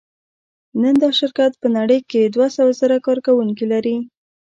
نن دا شرکت په نړۍ کې دوهسوهزره کارکوونکي لري.